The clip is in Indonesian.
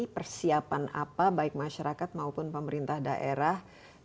persiapan apa baik masyarakat maupun pemerintah daerah